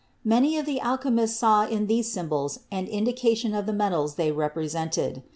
Many of the alchemists saw in these symbols an indication of the metals they represented.